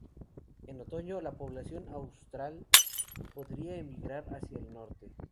En otoño, la población austral podría emigrar hacia el norte.